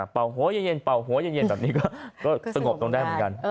หัวเย็นเป่าหัวเย็นแบบนี้ก็สงบลงได้เหมือนกัน